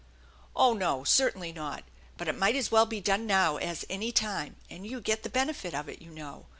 " Oh, no, certainly not, but it might as well be done now as any time, and you get the benefit of it, you know.